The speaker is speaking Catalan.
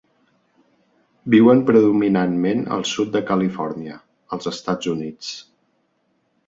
Viuen predominantment al sud de Califòrnia, als Estats Units.